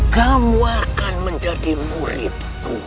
kamu akan menjadi muridku